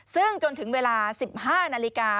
ซึ่งจนถึงเวลา๑๕นาฬิกา